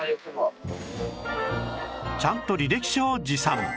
ちゃんと履歴書を持参